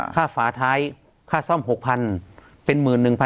ฝาท้ายค่าซ่อม๖๐๐เป็น๑๑๐๐๐